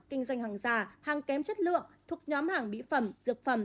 kinh doanh hàng già hàng kém chất lượng thuốc nhóm hàng mỹ phẩm dược phẩm